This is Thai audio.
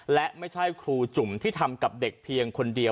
และไม่ใช่ครูจุ่มที่ทำกับเด็กเพียงคนเดียว